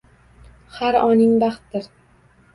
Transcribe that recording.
Har oning baxtdir.